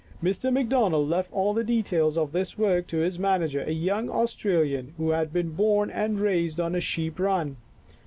Mr. McDonald left all the details of this work to his manager, a young Australian who had been born and raised on a sheep run.